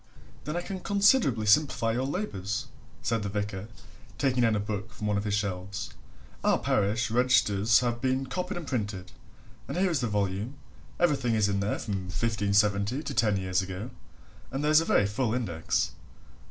"Then I can considerably simplify your labours," said the vicar, taking down a book from one of his shelves. "Our parish registers have been copied and printed, and here is the volume everything is in there from 1570 to ten years ago, and there is a very full index.